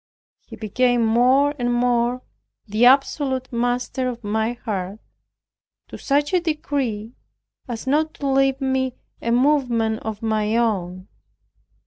He became more and more the absolute master of my heart, to such a degree as not to leave me a movement of my own.